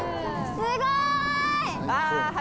すごい！